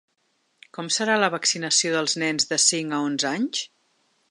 Com serà la vaccinació dels nens de cinc a onze anys?